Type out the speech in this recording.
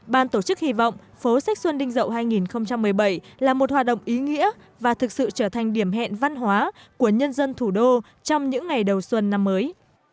ban tổ chức hy vọng phố sách xuân đinh dậu hai nghìn một mươi bảy là một hoạt động ý nghĩa và thực sự trở thành điểm hẹn văn hóa của nhân dân thủ đô trong những ngày đầu xuân năm mới